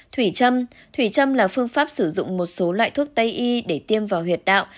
thủy trâm thủy trăm là phương pháp sử dụng một số loại thuốc tây y để tiêm vào huyệt đạo